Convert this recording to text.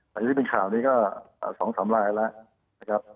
แต่อย่างที่เป็นข่าวนี้ก็๒๓ลายแล้วนะครับ